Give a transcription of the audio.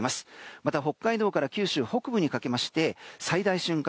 また北海道から九州北部にかけて最大瞬間